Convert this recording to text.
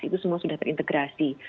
itu semua sudah terintegrasi